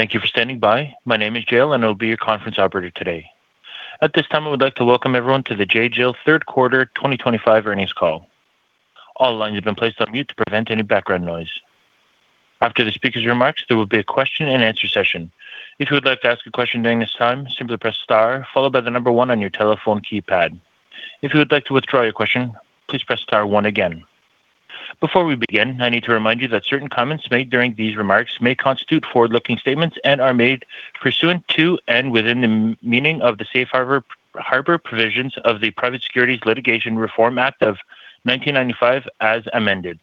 Thank you for standing by. My name is Jill, and I will be your conference operator today. At this time, I would like to welcome everyone to the J.Jill Q3 2025 earnings call. All lines have been placed on mute to prevent any background noise. After the speaker's remarks, there will be a question-and-answer session. If you would like to ask a question during this time, simply press star, followed by the number one on your telephone keypad. If you would like to withdraw your question, please press star one again. Before we begin, I need to remind you that certain comments made during these remarks may constitute forward-looking statements and are made pursuant to and within the meaning of the Safe Harbor provisions of the Private Securities Litigation Reform Act of 1995, as amended.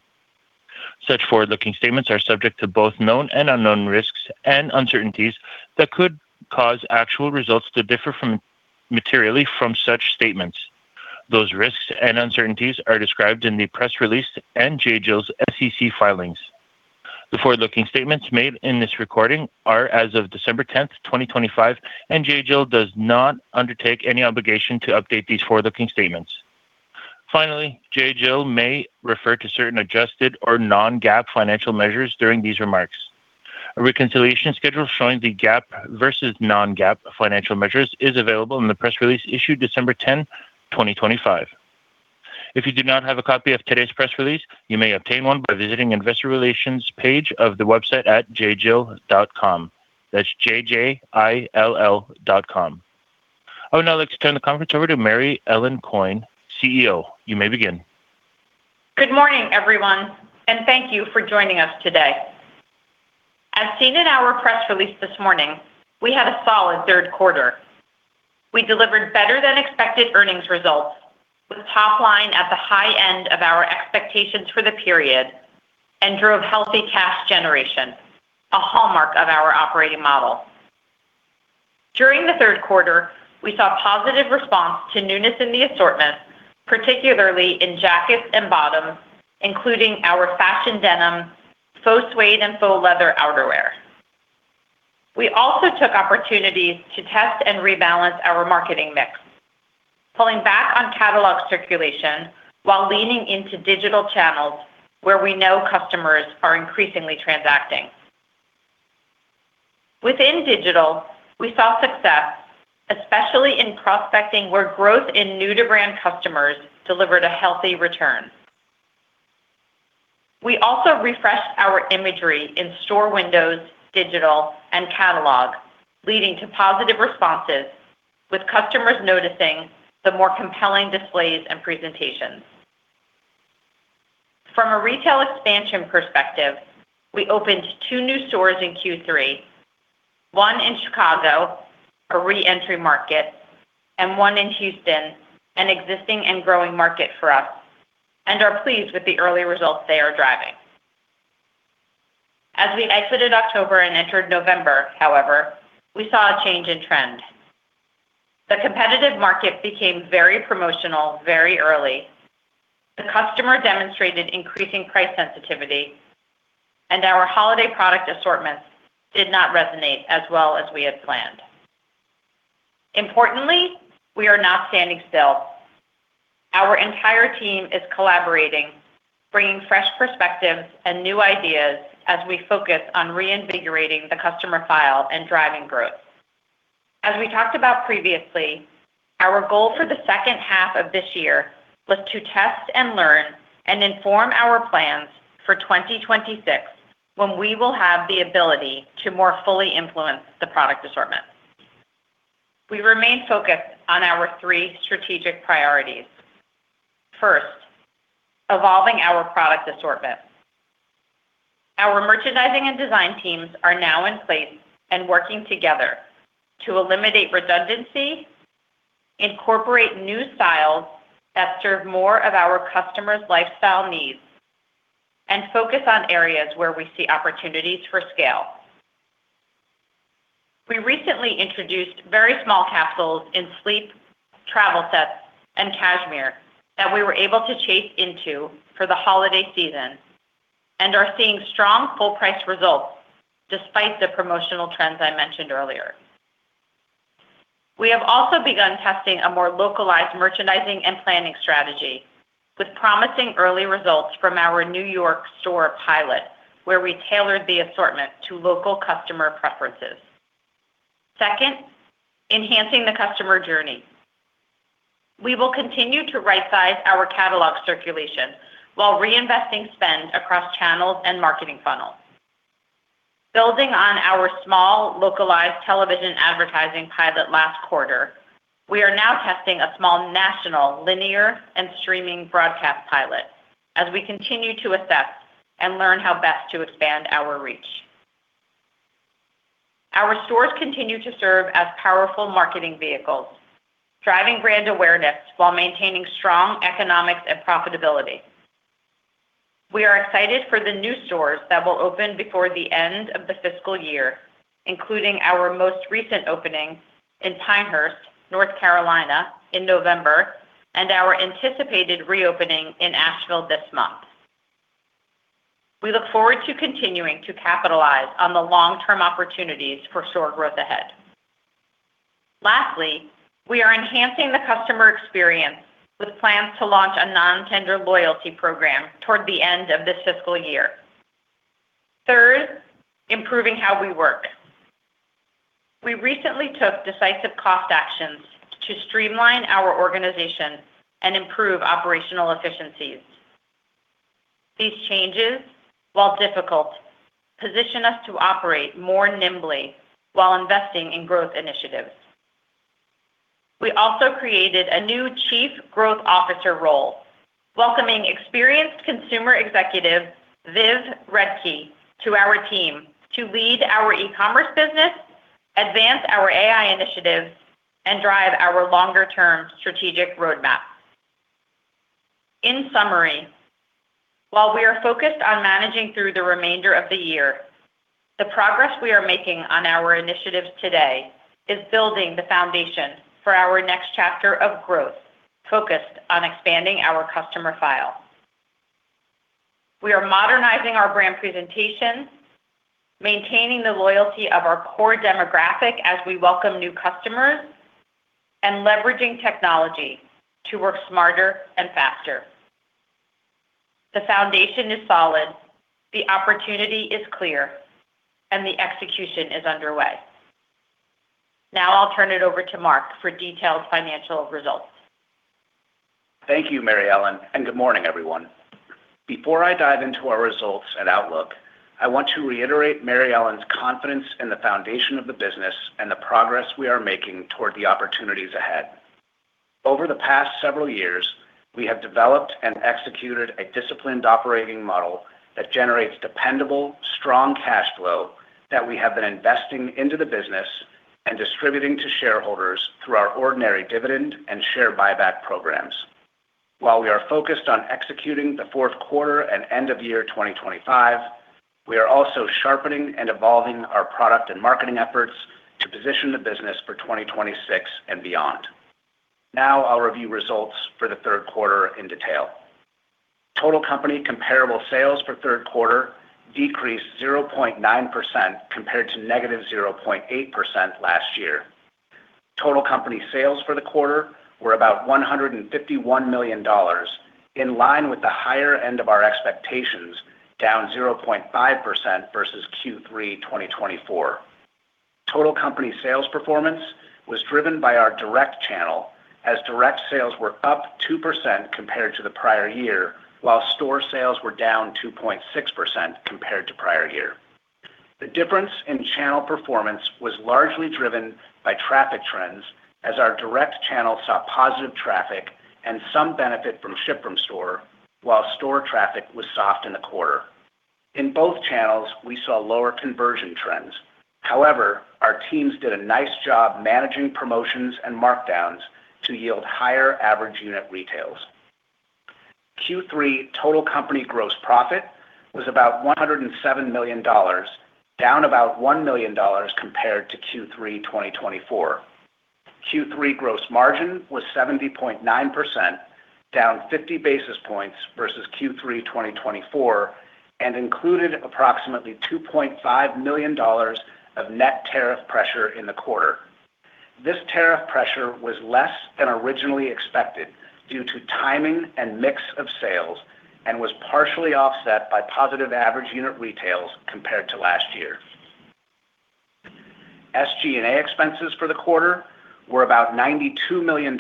Such forward-looking statements are subject to both known and unknown risks and uncertainties that could cause actual results to differ materially from such statements. Those risks and uncertainties are described in the press release and J.Jill's SEC filings. The forward-looking statements made in this recording are as of December 10, 2025, and J.Jill does not undertake any obligation to update these forward-looking statements. Finally, J.Jill may refer to certain adjusted or non-GAAP financial measures during these remarks. A reconciliation schedule showing the GAAP versus non-GAAP financial measures is available in the press release issued December 10, 2025. If you do not have a copy of today's press release, you may obtain one by visiting investor relations page of the website at jjill.com. That's jjill.com. I would now like to turn the conference over to Mary Ellen Coyne, CEO. You may begin. Good morning, everyone, and thank you for joining us today. As seen in our press release this morning, we had a solid Q3. We delivered better-than-expected earnings results, with top line at the high end of our expectations for the period, and drove healthy cash generation, a hallmark of our operating model. During the Q3, we saw positive response to newness in the assortment, particularly in jackets and bottoms, including our fashion denim, faux suede, and faux leather outerwear. We also took opportunities to test and rebalance our marketing mix, pulling back on catalog circulation while leaning into digital channels where we know customers are increasingly transacting. Within digital, we saw success, especially in prospecting where growth in new-to-brand customers delivered a healthy return. We also refreshed our imagery in store windows, digital, and catalog, leading to positive responses, with customers noticing the more compelling displays and presentations. From a retail expansion perspective, we opened two new stores in Q3, one in Chicago, a re-entry market, and one in Houston, an existing and growing market for us, and are pleased with the early results they are driving. As we exited October and entered November, however, we saw a change in trend. The competitive market became very promotional very early. The customer demonstrated increasing price sensitivity, and our holiday product assortments did not resonate as well as we had planned. Importantly, we are not standing still. Our entire team is collaborating, bringing fresh perspectives and new ideas as we focus on reinvigorating the customer file and driving growth. As we talked about previously, our goal for the second half of this year was to test and learn and inform our plans for 2026 when we will have the ability to more fully influence the product assortment. We remain focused on our three strategic priorities. First, evolving our product assortment. Our merchandising and design teams are now in place and working together to eliminate redundancy, incorporate new styles that serve more of our customers' lifestyle needs, and focus on areas where we see opportunities for scale. We recently introduced very small capsules in sleep, travel sets, and cashmere that we were able to chase into for the holiday season and are seeing strong full-price results despite the promotional trends I mentioned earlier. We have also begun testing a more localized merchandising and planning strategy, with promising early results from our New York store pilot where we tailored the assortment to local customer preferences. Second, enhancing the customer journey. We will continue to right-size our catalog circulation while reinvesting spend across channels and marketing funnels. Building on our small localized television advertising pilot last quarter, we are now testing a small national linear and streaming broadcast pilot as we continue to assess and learn how best to expand our reach. Our stores continue to serve as powerful marketing vehicles, driving brand awareness while maintaining strong economics and profitability. We are excited for the new stores that will open before the end of the fiscal year, including our most recent opening in Pinehurst, North Carolina, in November, and our anticipated reopening in Asheville this month. We look forward to continuing to capitalize on the long-term opportunities for store growth ahead. Lastly, we are enhancing the customer experience with plans to launch a non-tender loyalty program toward the end of this fiscal year. Third, improving how we work. We recently took decisive cost actions to streamline our organization and improve operational efficiencies. These changes, while difficult, position us to operate more nimbly while investing in growth initiatives. We also created a new Chief Growth Officer role, welcoming experienced consumer executive Viv Rettke to our team to lead our e-commerce business, advance our AI initiatives, and drive our longer-term strategic roadmap. In summary, while we are focused on managing through the remainder of the year, the progress we are making on our initiatives today is building the foundation for our next chapter of growth focused on expanding our customer file. We are modernizing our brand presentation, maintaining the loyalty of our core demographic as we welcome new customers, and leveraging technology to work smarter and faster. The foundation is solid, the opportunity is clear, and the execution is underway. Now I'll turn it over to Mark for detailed financial results. Thank you, Mary Ellen, and good morning, everyone. Before I dive into our results and outlook, I want to reiterate Mary Ellen's confidence in the foundation of the business and the progress we are making toward the opportunities ahead. Over the past several years, we have developed and executed a disciplined operating model that generates dependable, strong cash flow that we have been investing into the business and distributing to shareholders through our ordinary dividend and share buyback programs. While we are focused on executing the fourth quarter and end of year 2025, we are also sharpening and evolving our product and marketing efforts to position the business for 2026 and beyond. Now I'll review results for the Q3 in detail. Total company comparable sales for Q3 decreased 0.9% compared to -0.8% last year. Total company sales for the quarter were about $151 million, in line with the higher end of our expectations, down 0.5% versus Q3 2024. Total company sales performance was driven by our direct channel, as direct sales were up 2% compared to the prior year, while store sales were down 2.6% compared to prior year. The difference in channel performance was largely driven by traffic trends, as our direct channel saw positive traffic and some benefit from ship from store, while store traffic was soft in the quarter. In both channels, we saw lower conversion trends. However, our teams did a nice job managing promotions and markdowns to yield higher average unit retails. Q3 total company gross profit was about $107 million, down about $1 million compared to Q3 2024. Q3 gross margin was 70.9%, down 50 basis points versus Q3 2024, and included approximately $2.5 million of net tariff pressure in the quarter. This tariff pressure was less than originally expected due to timing and mix of sales and was partially offset by positive average unit retails compared to last year. SG&A expenses for the quarter were about $92 million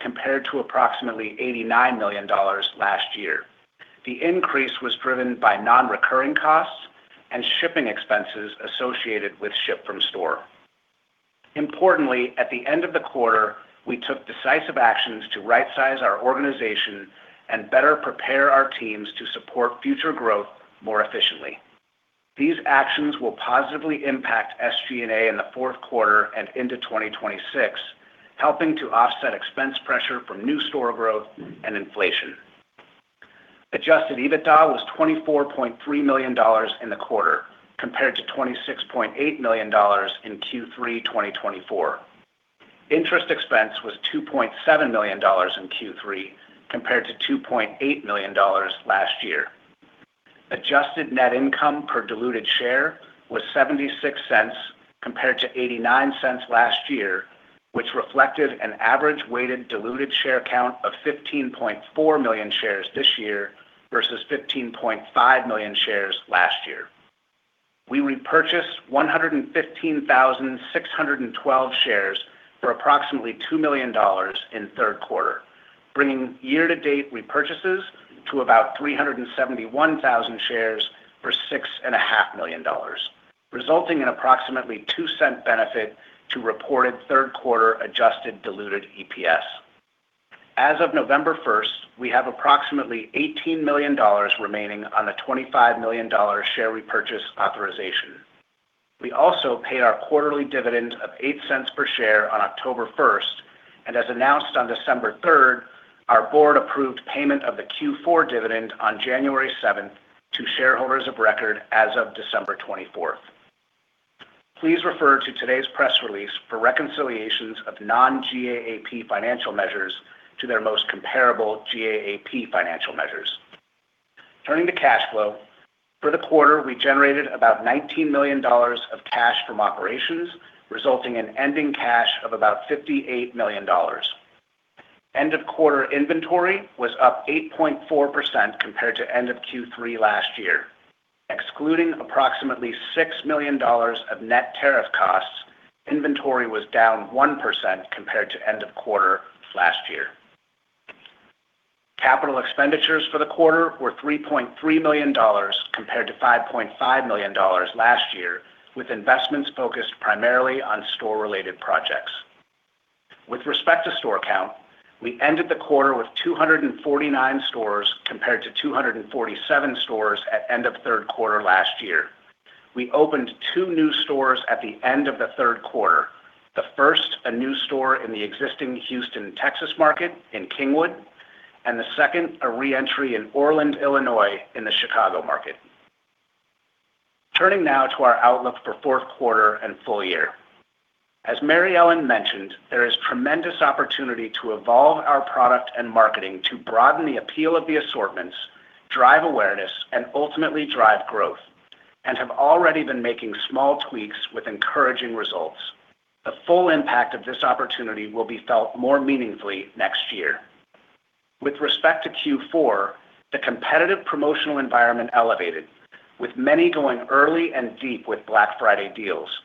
compared to approximately $89 million last year. The increase was driven by non-recurring costs and shipping expenses associated with ship from store. Importantly, at the end of the quarter, we took decisive actions to right-size our organization and better prepare our teams to support future growth more efficiently. These actions will positively impact SG&A in the Q4 and into 2026, helping to offset expense pressure from new store growth and inflation. Adjusted EBITDA was $24.3 million in the quarter compared to $26.8 million in Q3 2024. Interest expense was $2.7 million in Q3 compared to $2.8 million last year. Adjusted net income per diluted share was 76 cents compared to 89 cents last year, which reflected an average weighted diluted share count of 15.4 million shares this year versus 15.5 million shares last year. We repurchased 115,612 shares for approximately $2 million in Q3, bringing year-to-date repurchases to about 371,000 shares for $6.5 million, resulting in approximately $0.02 benefit to reported Q3 adjusted diluted EPS. As of November 1, we have approximately $18 million remaining on the $25 million share repurchase authorization. We also paid our quarterly dividend of 8 cents per share on October 1, and as announced on December 3, our board approved payment of the Q4 dividend on January 7 to shareholders of record as of December 24. Please refer to today's press release for reconciliations of non-GAAP financial measures to their most comparable GAAP financial measures. Turning to cash flow, for the quarter, we generated about $19 million of cash from operations, resulting in ending cash of about $58 million. End-of-quarter inventory was up 8.4% compared to end of Q3 last year. Excluding approximately $6 million of net tariff costs, inventory was down 1% compared to end of quarter last year. Capital expenditures for the quarter were $3.3 million compared to $5.5 million last year, with investments focused primarily on store-related projects. With respect to store count, we ended the quarter with 249 stores compared to 247 stores at end of Q3 last year. We opened two new stores at the end of the Q3, the first a new store in the existing Houston, Texas market in Kingwood, and the second a re-entry in Orland, Illinois, in the Chicago market. Turning now to our outlook for fourth quarter and full year. As Mary Ellen mentioned, there is tremendous opportunity to evolve our product and marketing to broaden the appeal of the assortments, drive awareness, and ultimately drive growth, and have already been making small tweaks with encouraging results. The full impact of this opportunity will be felt more meaningfully next year. With respect to Q4, the competitive promotional environment elevated, with many going early and deep with Black Friday deals.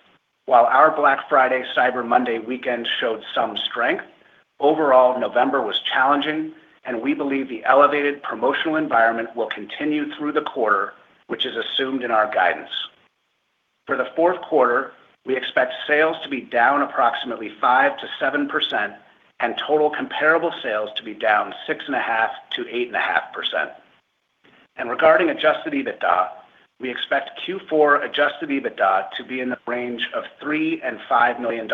While our Black Friday Cyber Monday weekend showed some strength, overall November was challenging, and we believe the elevated promotional environment will continue through the quarter, which is assumed in our guidance. For the Q4, we expect sales to be down approximately 5%-7% and total comparable sales to be down 6.5%-8.5%, and regarding adjusted EBITDA, we expect Q4 adjusted EBITDA to be in the range $3 million-$5 million,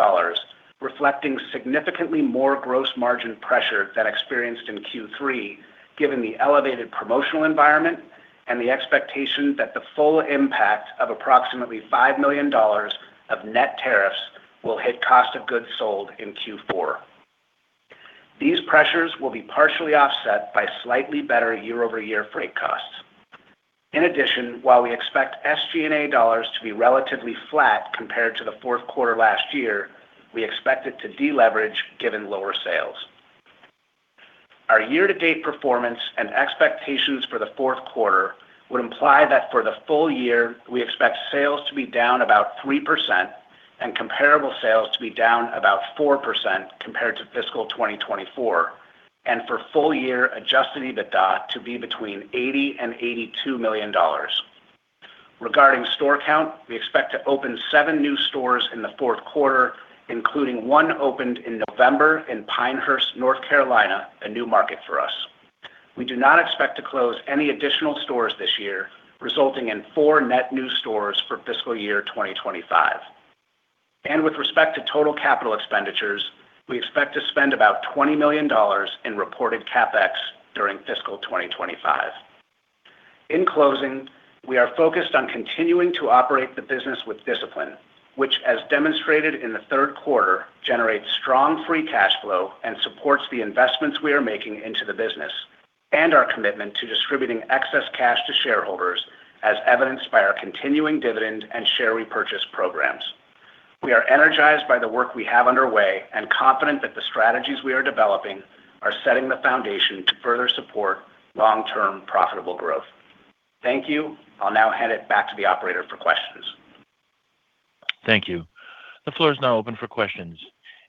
reflecting significantly more gross margin pressure than experienced in Q3, given the elevated promotional environment and the expectation that the full impact of approximately $5 million of net tariffs will hit cost of goods sold in Q4. These pressures will be partially offset by slightly better year-over-year freight costs. In addition, while we expect SG&A dollars to be relatively flat compared to the Q4 last year, we expect it to deleverage given lower sales. Our year-to-date performance and expectations for the Q4 would imply that for the full year, we expect sales to be down about 3% and comparable sales to be down about 4% compared to fiscal 2024, and for full year, adjusted EBITDA to be between $80 million and $82 million. Regarding store count, we expect to open seven new stores in the fourth quarter, including one opened in November in Pinehurst, North Carolina, a new market for us. We do not expect to close any additional stores this year, resulting in four net new stores for fiscal year 2025, and with respect to total capital expenditures, we expect to spend about $20 million in reported CapEx during fiscal 2025. In closing, we are focused on continuing to operate the business with discipline, which, as demonstrated in the Q3, generates strong free cash flow and supports the investments we are making into the business and our commitment to distributing excess cash to shareholders, as evidenced by our continuing dividend and share repurchase programs. We are energized by the work we have underway and confident that the strategies we are developing are setting the foundation to further support long-term profitable growth. Thank you. I'll now hand it back to the operator for questions. Thank you. The floor is now open for questions.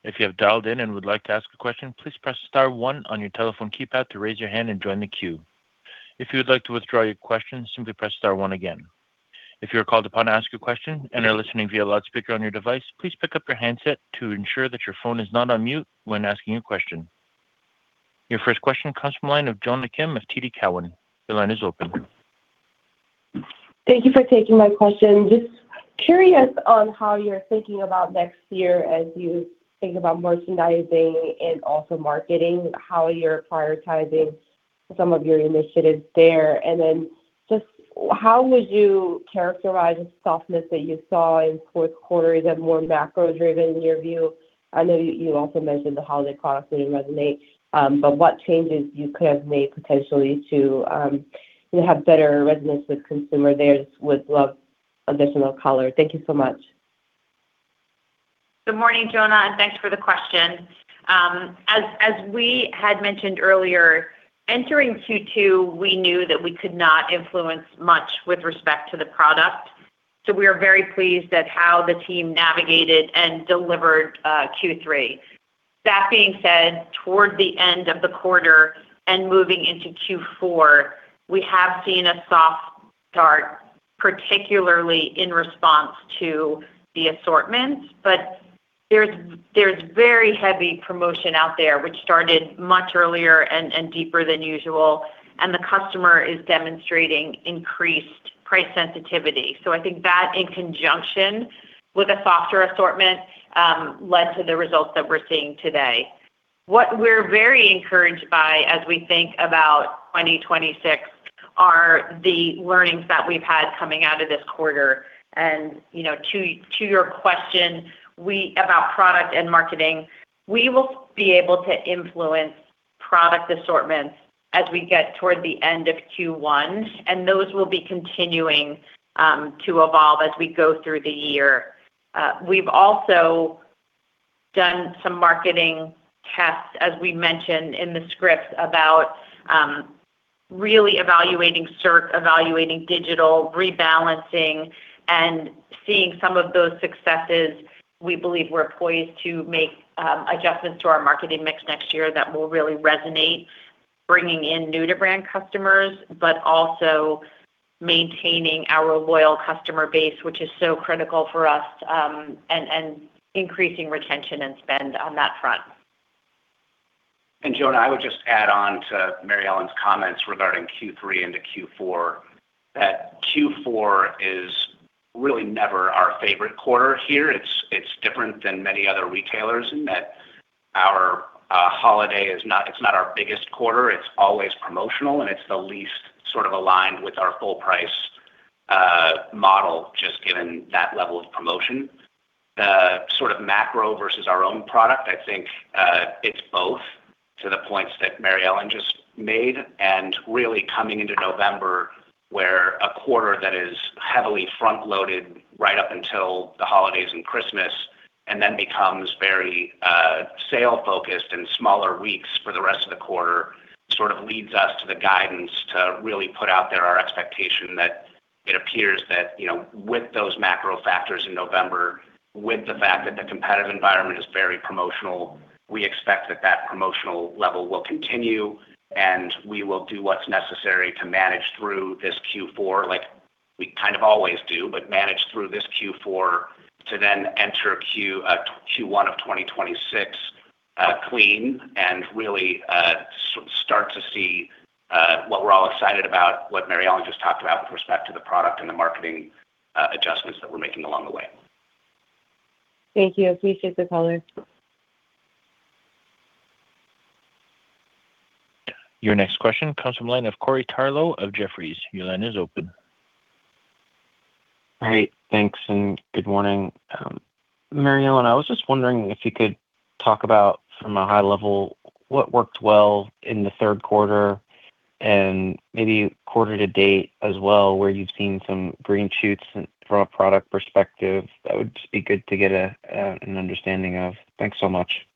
If you have dialed in and would like to ask a question, please press star one on your telephone keypad to raise your hand and join the queue. If you would like to withdraw your question, simply press star one again. If you are called upon to ask a question and are listening via loudspeaker on your device, please pick up your handset to ensure that your phone is not on mute when asking a question. Your first question comes from the line of Jonna Kim of TD Cowen. The line is open. Thank you for taking my question. Just curious on how you're thinking about next year as you think about merchandising and also marketing, how you're prioritizing some of your initiatives there, and then just how would you characterize the softness that you saw in Q4? Is that more macro-driven in your view? I know you also mentioned the holiday products didn't resonate, but what changes you could have made potentially to have better resonance with consumers there? Would love additional color. Thank you so much. Good morning, Jonna, and thanks for the question. As we had mentioned earlier, entering Q2, we knew that we could not influence much with respect to the product. So we are very pleased at how the team navigated and delivered Q3. That being said, toward the end of the quarter and moving into Q4, we have seen a soft start, particularly in response to the assortments, but there's very heavy promotion out there, which started much earlier and deeper than usual, and the customer is demonstrating increased price sensitivity, so I think that in conjunction with a softer assortment led to the results that we're seeing today. What we're very encouraged by as we think about 2026 are the learnings that we've had coming out of this quarter. And to your question about product and marketing, we will be able to influence product assortments as we get toward the end of Q1, and those will be continuing to evolve as we go through the year. We've also done some marketing tests, as we mentioned in the script, about really evaluating cert, evaluating digital, rebalancing, and seeing some of those successes. We believe we're poised to make adjustments to our marketing mix next year that will really resonate, bringing in new-to-brand customers, but also maintaining our loyal customer base, which is so critical for us, and increasing retention and spend on that front. And Jonna, I would just add on to Mary Ellen's comments regarding Q3 into Q4, that Q4 is really never our favorite quarter here. It's different than many other retailers in that our holiday is not, it's not our biggest quarter. It's always promotional, and it's the least sort of aligned with our full-price model, just given that level of promotion. The sort of macro versus our own product, I think it's both to the points that Mary Ellen just made. And really coming into November, where a quarter that is heavily front-loaded right up until the holidays and Christmas, and then becomes very sale-focused and smaller weeks for the rest of the quarter, sort of leads us to the guidance to really put out there our expectation that it appears that with those macro factors in November, with the fact that the competitive environment is very promotional, we expect that that promotional level will continue, and we will do what's necessary to manage through this Q4, like we kind of always do, but manage through this Q4 to then enter Q1 of 2026 clean and really start to see what we're all excited about, what Mary Ellen just talked about with respect to the product and the marketing adjustments that we're making along the way. Thank you. Appreciate the color. Your next question comes from the line of Corey Tarlowe of Jefferies. Your line is open. All right. Thanks and good morning. Mary Ellen, I was just wondering if you could talk about, from a high level, what worked well in the Q3 and maybe Q2 to date as well, where you've seen some green shoots from a product perspective. That would be good to get an understanding of. Thanks so much.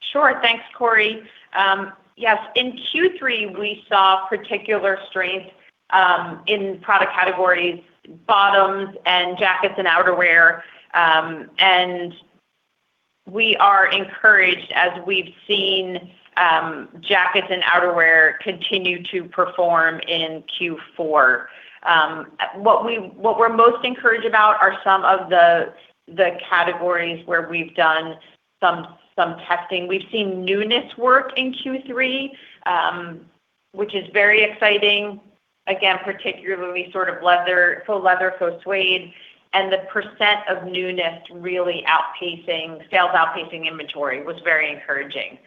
Sure. Thanks, Corey. Yes, in Q3, we saw particular strength in product categories: bottoms and jackets and outerwear. And we are encouraged, as we've seen jackets and outerwear continue to perform in Q4. What we're most encouraged about are some of the categories where we've done some testing. We've seen newness work in Q3, which is very exciting. Again, particularly sort of leather, faux leather, faux suede. And the percent of newness really outpacing sales outpacing inventory was very encouraging.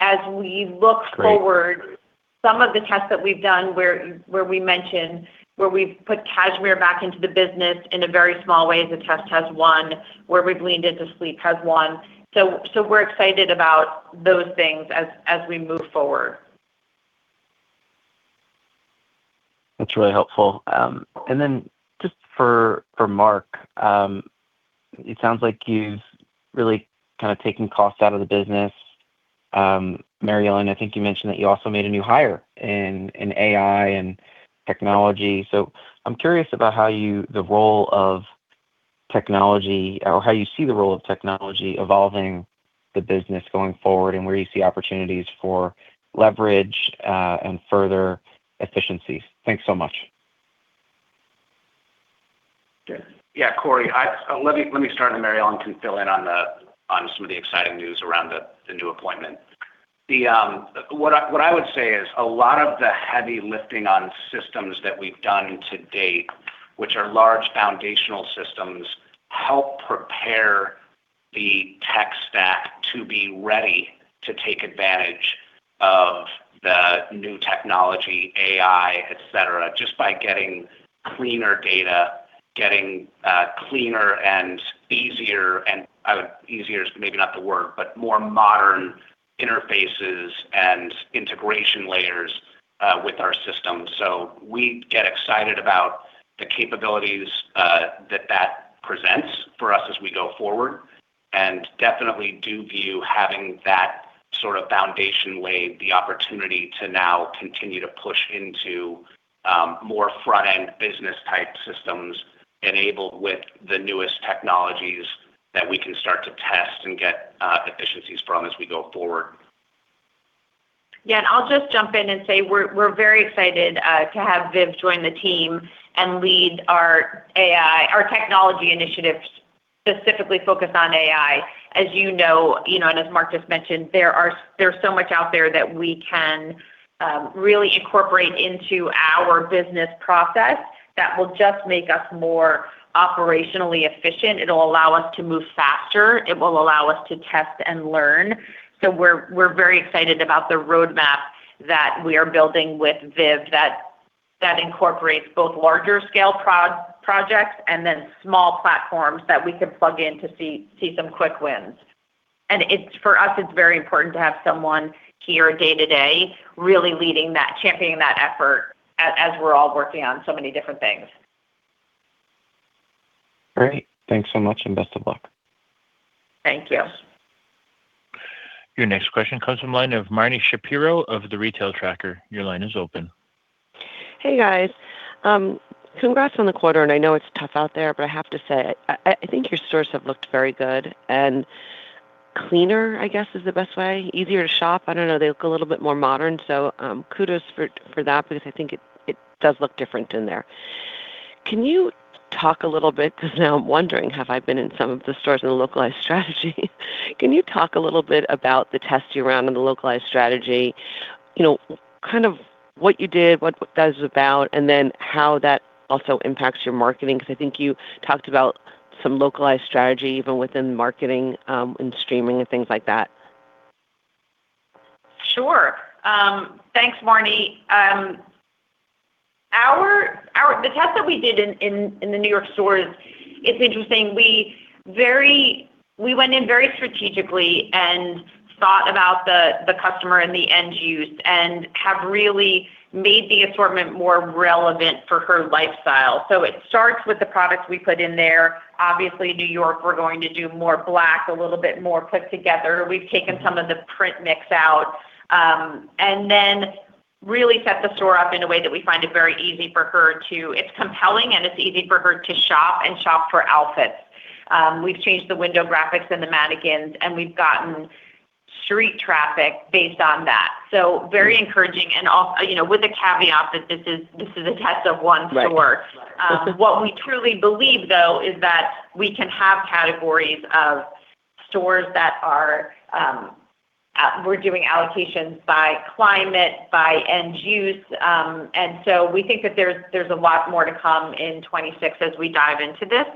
As we look forward, some of the tests that we've done where we mentioned where we've put cashmere back into the business in a very small way is a test has won, where we've leaned into sleek has won. So we're excited about those things as we move forward. That's really helpful. And then just for Mark, it sounds like you've really kind of taken costs out of the business. Mary Ellen, I think you mentioned that you also made a new hire in AI and technology. So I'm curious about how the role of technology or how you see the role of technology evolving the business going forward and where you see opportunities for leverage and further efficiencies. Thanks so much. Yeah, Corey, let me start, and Mary Ellen can fill in on some of the exciting news around the new appointment. What I would say is a lot of the heavy lifting on systems that we've done to date, which are large foundational systems, help prepare the tech stack to be ready to take advantage of the new technology, AI, etc., just by getting cleaner data, getting cleaner and easier, and easier is maybe not the word, but more modern interfaces and integration layers with our system. So we get excited about the capabilities that that presents for us as we go forward and definitely do view having that sort of foundation laid, the opportunity to now continue to push into more front-end business-type systems enabled with the newest technologies that we can start to test and get efficiencies from as we go forward. Yeah, and I'll just jump in and say we're very excited to have Viv join the team and lead our technology initiatives specifically focused on AI. As you know, and as Mark just mentioned, there's so much out there that we can really incorporate into our business process that will just make us more operationally efficient. It'll allow us to move faster. It will allow us to test and learn, so we're very excited about the roadmap that we are building with Viv that incorporates both larger-scale projects and then small platforms that we can plug in to see some quick wins, and for us, it's very important to have someone here day to day really leading that, championing that effort as we're all working on so many different things. All right. Thanks so much and best of luck. Thank you. Your next question comes from the line of Marni Shapiro of The Retail Tracker. Your line is open. Hey, guys. Congrats on the quarter, and I know it's tough out there, but I have to say I think your stores have looked very good and cleaner, I guess, is the best way. Easier to shop. I don't know. They look a little bit more modern, so kudos for that because I think it does look different in there. Can you talk a little bit because now I'm wondering, have I been in some of the stores in the localized strategy? Can you talk a little bit about the test you ran in the localized strategy, kind of what you did, what that was about, and then how that also impacts your marketing? Because I think you talked about some localized strategy even within marketing and streaming and things like that. Sure. Thanks, Marni. The test that we did in the New York stores, it's interesting. We went in very strategically and thought about the customer and the end use and have really made the assortment more relevant for her lifestyle, so it starts with the products we put in there. Obviously, New York, we're going to do more black, a little bit more put together. We've taken some of the print mix out and then really set the store up in a way that we find it very easy for her to. It's compelling and it's easy for her to shop and shop for outfits. We've changed the window graphics and the mannequins, and we've gotten street traffic based on that, so very encouraging, and with the caveat that this is a test of one store. What we truly believe, though, is that we can have categories of stores that we're doing allocations by climate, by end use, and so we think that there's a lot more to come in 2026 as we dive into this.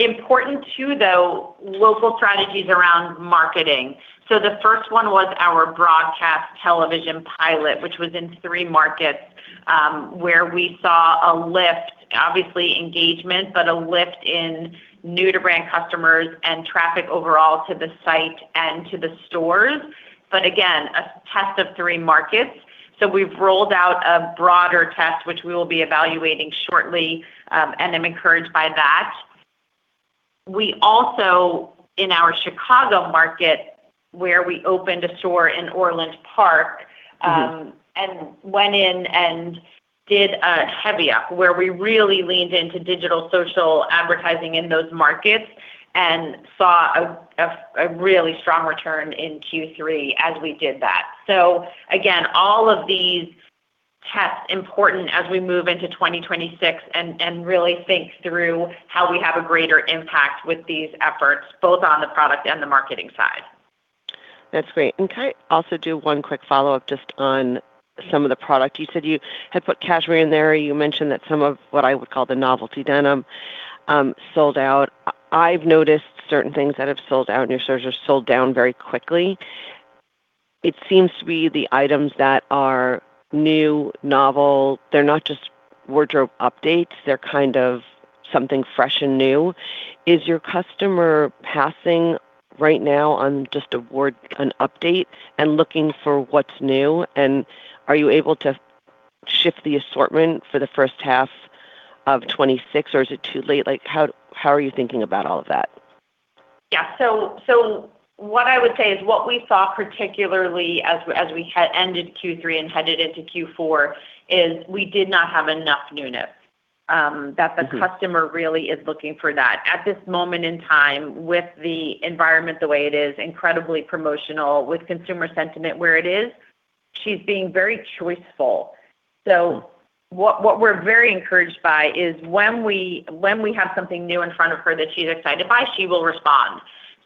Important too, though, local strategies around marketing, so the first one was our broadcast television pilot, which was in three markets where we saw a lift, obviously engagement, but a lift in new-to-brand customers and traffic overall to the site and to the stores, but again, a test of three markets, so we've rolled out a broader test, which we will be evaluating shortly, and I'm encouraged by that. We also, in our Chicago market, where we opened a store in Orland Park and went in and did a heavy up where we really leaned into digital social advertising in those markets and saw a really strong return in Q3 as we did that. So again, all of these tests are important as we move into 2026 and really think through how we have a greater impact with these efforts, both on the product and the marketing side. That's great. And can I also do one quick follow-up just on some of the product? You said you had put cashmere in there. You mentioned that some of what I would call the novelty denim sold out. I've noticed certain things that have sold out in your stores are sold down very quickly. It seems to be the items that are new, novel. They're not just wardrobe updates. They're kind of something fresh and new. Is your customer passing right now on just an update and looking for what's new? And are you able to shift the assortment for the first half of 2026, or is it too late? How are you thinking about all of that? Yeah. So what I would say is what we saw particularly as we had ended Q3 and headed into Q4 is we did not have enough newness. That the customer really is looking for that. At this moment in time, with the environment the way it is, incredibly promotional, with consumer sentiment where it is, she's being very choiceful. So what we're very encouraged by is when we have something new in front of her that she's excited by, she will respond.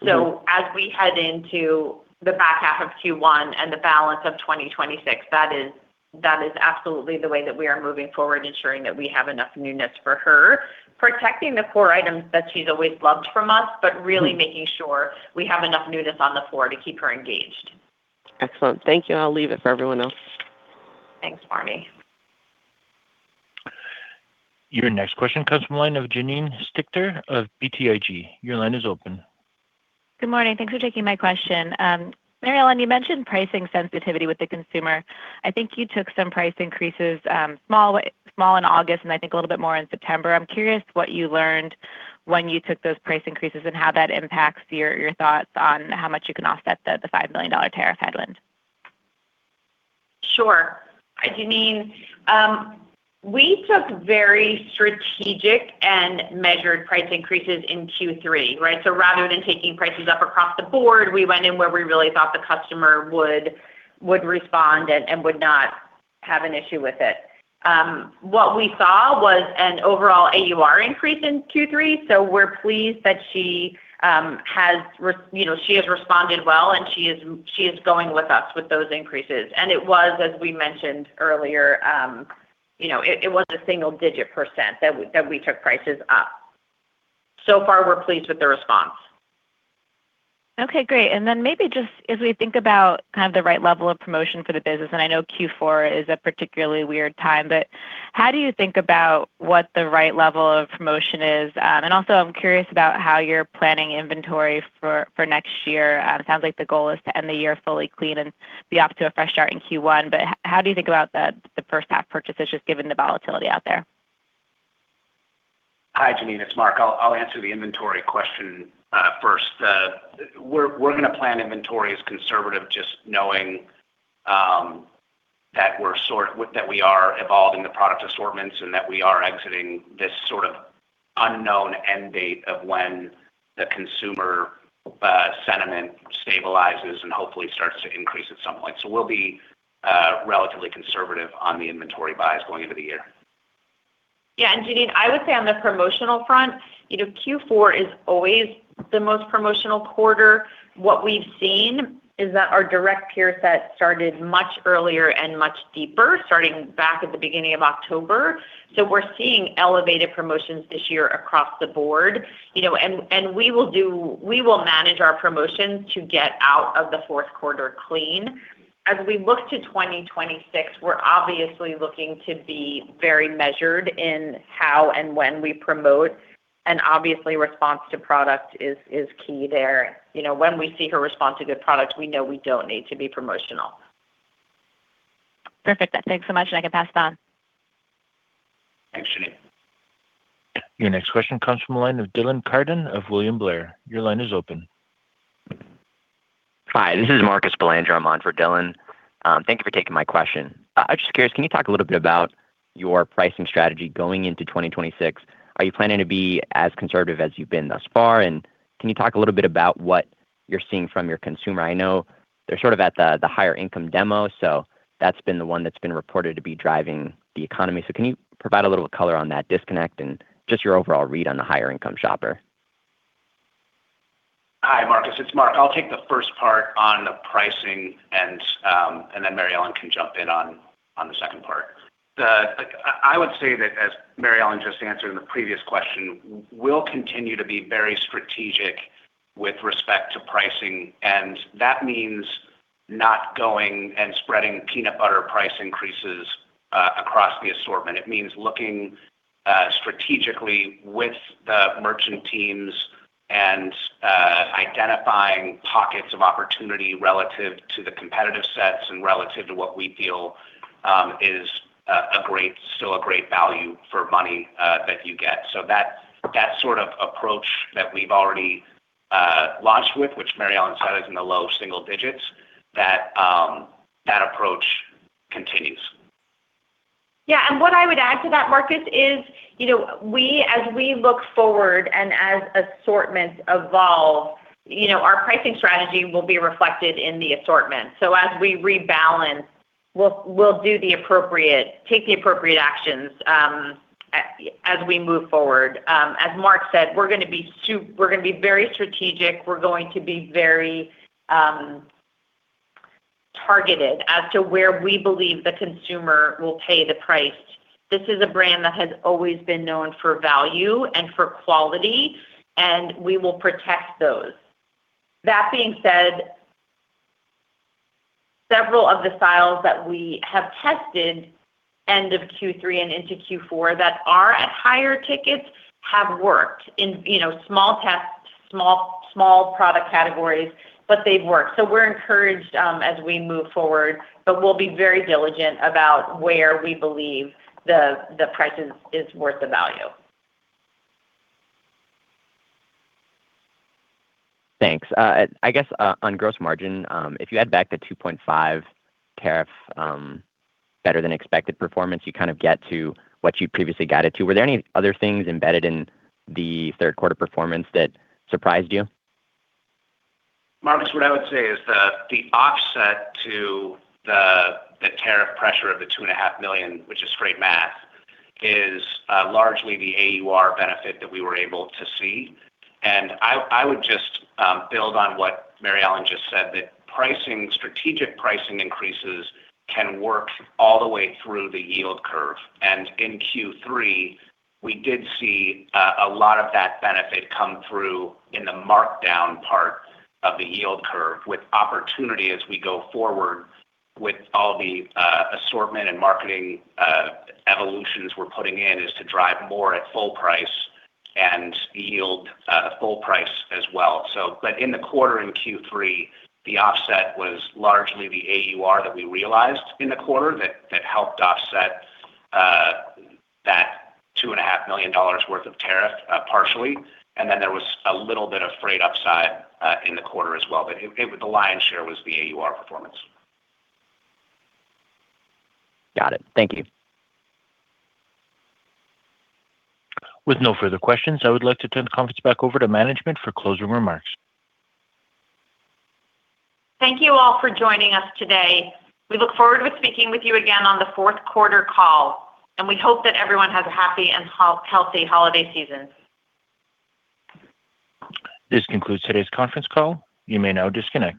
So as we head into the back half of Q1 and the balance of 2026, that is absolutely the way that we are moving forward, ensuring that we have enough newness for her, protecting the core items that she's always loved from us, but really making sure we have enough newness on the floor to keep her engaged. Excellent. Thank you. I'll leave it for everyone else. Thanks, Marnie. Your next question comes from the line of Janine Stichter of BTIG. Your line is open. Good morning. Thanks for taking my question. Mary Ellen, you mentioned pricing sensitivity with the consumer. I think you took some price increases small in August and I think a little bit more in September. I'm curious what you learned when you took those price increases and how that impacts your thoughts on how much you can offset the $5 million tariff headwind. Sure. Janine, we took very strategic and measured price increases in Q3, right? So rather than taking prices up across the board, we went in where we really thought the customer would respond and would not have an issue with it. What we saw was an overall AUR increase in Q3. So we're pleased that she has responded well, and she is going with us with those increases. And it was, as we mentioned earlier, a single-digit % that we took prices up. So far, we're pleased with the response. Okay. Great. And then maybe just as we think about kind of the right level of promotion for the business, and I know Q4 is a particularly weird time, but how do you think about what the right level of promotion is? And also, I'm curious about how you're planning inventory for next year. It sounds like the goal is to end the year fully clean and be off to a fresh start in Q1. But how do you think about the first half purchases just given the volatility out there? Hi, Janine. It's Mark. I'll answer the inventory question first. We're going to plan inventory as conservative, just knowing that we are evolving the product assortments and that we are exiting this sort of unknown end date of when the consumer sentiment stabilizes and hopefully starts to increase at some point. So we'll be relatively conservative on the inventory buys going into the year. Yeah. And Janine, I would say on the promotional front, Q4 is always the most promotional quarter. What we've seen is that our direct peer set started much earlier and much deeper, starting back at the beginning of October. So we're seeing elevated promotions this year across the board. And we will manage our promotions to get out of the fourth quarter clean. As we look to 2026, we're obviously looking to be very measured in how and when we promote. And obviously, response to product is key there. When we see her respond to good product, we know we don't need to be promotional. Perfect. Thanks so much, and I can pass it on. Thanks, Janine. Your next question comes from the line of Dylan Carden of William Blair. Your line is open. Hi. This is Marcus Valandro on the line for Dylan. Thank you for taking my question. I'm just curious, can you talk a little bit about your pricing strategy going into 2026? Are you planning to be as conservative as you've been thus far? And can you talk a little bit about what you're seeing from your consumer? I know they're sort of at the higher-income demo, so that's been the one that's been reported to be driving the economy. So can you provide a little color on that disconnect and just your overall read on the higher-income shopper? Hi, Marcus. It's Mark. I'll take the first part on the pricing, and then Mary Ellen can jump in on the second part. I would say that, as Mary Ellen just answered in the previous question, we'll continue to be very strategic with respect to pricing, and that means not going and spreading peanut butter price increases across the assortment. It means looking strategically with the merchant teams and identifying pockets of opportunity relative to the competitive sets and relative to what we feel is still a great value for money that you get, so that sort of approach that we've already launched with, which Mary Ellen said is in the low single digits, that approach continues. Yeah. And what I would add to that, Marcus, is as we look forward and as assortments evolve, our pricing strategy will be reflected in the assortment. So as we rebalance, we'll take the appropriate actions as we move forward. As Mark said, we're going to be very strategic. We're going to be very targeted as to where we believe the consumer will pay the price. This is a brand that has always been known for value and for quality, and we will protect those. That being said, several of the styles that we have tested end of Q3 and into Q4 that are at higher tickets have worked in small tests, small product categories, but they've worked. So we're encouraged as we move forward, but we'll be very diligent about where we believe the price is worth the value. Thanks. I guess on gross margin, if you add back the 2.5 tariff, better-than-expected performance, you kind of get to what you previously guided to. Were there any other things embedded in the third-quarter performance that surprised you? Marcus, what I would say is the offset to the tariff pressure of the $2.5 million, which is straight math, is largely the AUR benefit that we were able to see. And I would just build on what Mary Ellen just said, that strategic pricing increases can work all the way through the yield curve. And in Q3, we did see a lot of that benefit come through in the markdown part of the yield curve, with opportunity as we go forward with all the assortment and marketing evolutions we're putting in is to drive more at full price and yield full price as well. But in the quarter in Q3, the offset was largely the AUR that we realized in the quarter that helped offset that $2.5 million worth of tariff partially. And then there was a little bit of freight upside in the quarter as well. But the lion's share was the AUR performance. Got it. Thank you. With no further questions, I would like to turn the conference back over to management for closing remarks. Thank you all for joining us today. We look forward to speaking with you again on the fourth quarter call, and we hope that everyone has a happy and healthy holiday season. This concludes today's conference call. You may now disconnect.